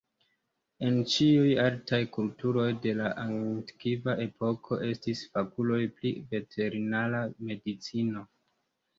En ĉiuj altaj kulturoj de la antikva epoko estis fakuloj pri veterinara medicino.